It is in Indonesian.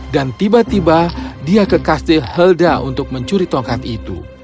dan tiba tiba dia ke kastil helda untuk mencuri tongkat itu